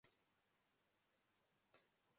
Abagabo babiri bicaye mubikoresho byo kubaka